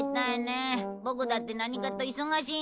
ボクだって何かと忙しいんだから。